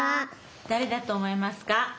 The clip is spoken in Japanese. だれだとおもいますか？